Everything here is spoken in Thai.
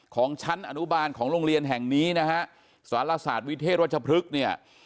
ของชั้นอนุบาลของโรงเรียนแห่งนี้นะฮะสารศาสตร์วิเทศวัชพฤกษ์เนี่ย